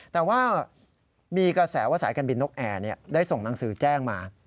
แต่ว่ามีกระแสว่าสายการบินนกแอร์ได้ส่งหนังสือแจ้งมา